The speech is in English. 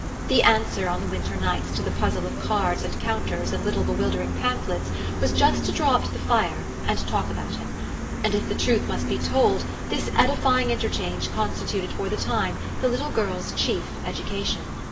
The answer on the winter nights to the puzzle of cards and counters and little bewildering pamphlets was just to draw up to the fire and talk about him; and if the truth must be told this edifying interchange constituted for the time the little girl's chief education.